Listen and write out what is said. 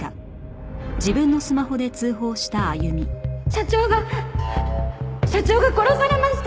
社長が社長が殺されました！